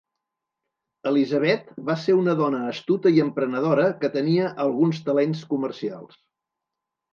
Elisabet va ser una dona astuta i emprenedora que tenia alguns talents comercials.